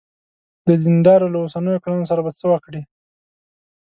د دیندارانو له اوسنیو کړنو سره به څه وکړې.